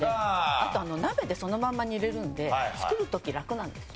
あと鍋でそのまま煮れるので作る時楽なんですよね。